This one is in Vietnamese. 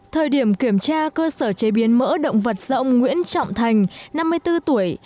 thời điểm kiểm tra cơ sở chế biến mỡ động vật rộng nguyễn trọng thành năm mươi bốn tuổi